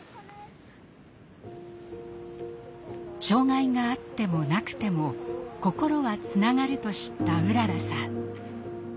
障害があってもなくても心はつながると知ったうららさん。